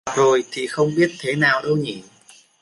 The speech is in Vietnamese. Gặp rồi thì không biết thế nào đâu nhỉ